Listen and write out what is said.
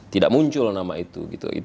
tidak muncul nama itu